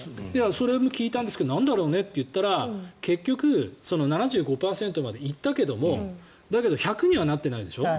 それも聞いたんですけどなんだろうねって言ったら結局７５％までいったけれども１００にはなっていないでしょ。